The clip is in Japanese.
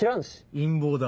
陰謀だ。